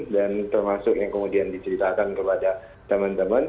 dan termasuk yang kemudian diceritakan kepada teman teman